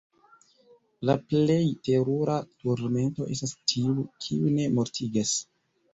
La plej terura turmento estas tiu, kiu ne mortigas!